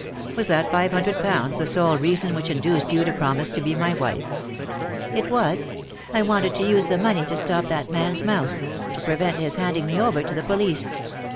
Was that five hundred pounds the sole reason which induced you to promise to be my wife ?"" It was. I wanted to use the money to stop that man's mouth ; to prevent his handing me over to the police.